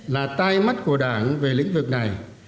là tai mắt của đảng về lĩnh vực này